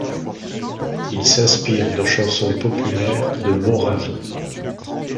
Il s'inspire de chansons populaires de Moravie.